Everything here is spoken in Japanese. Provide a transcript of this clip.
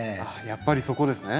やっぱりそこですね？